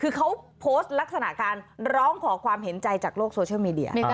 คือเขาโพสต์ลักษณะการร้องขอความเห็นใจจากโลกโซเชียลมีเดีย